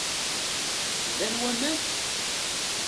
Llan waman?